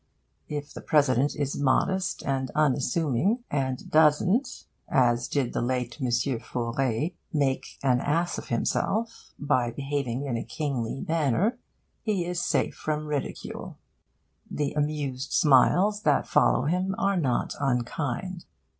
If the President is modest and unassuming, and doesn't, as did the late M. Faure, make an ass of himself by behaving in a kingly manner, he is safe from ridicule: the amused smiles that follow him are not unkind.